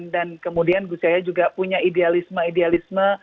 dan kemudian gus yahya juga punya idealisme idealisme